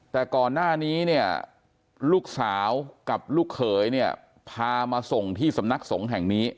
แต่ก่อนหน้านี้เนี่ยลูกสาวกับลูกเขยเนี่ยพามาส่งที่สำนักสงฆ์แห่งนี้